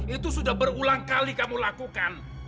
itu sudah berulang kali kamu lakukan